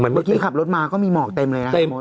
เมื่อกี้ขับรถมาก็มีหมอกเต็มเลยนะ